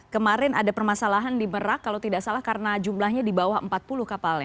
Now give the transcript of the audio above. kemarin ada permasalahan di merak kalau tidak salah karena jumlahnya di bawah empat puluh kapalnya